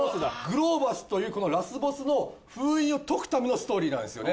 グローバスというこのラスボスの封印を解くためのストーリーなんですよね。